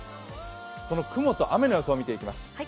この雲と雨の予想を見ていきます。